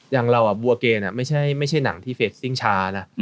อย่างเราบัวเกณฑ์ไม่ใช่หนังที่เฟสซิ่งช้านะ